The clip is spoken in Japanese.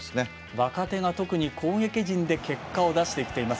若手が攻撃陣で結果を出しています。